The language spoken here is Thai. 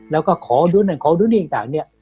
แล้วก็ขอดุนขอดุนอีกต่าง